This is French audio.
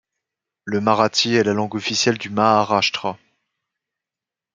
Le marathi est la langue officielle du Maharashtra.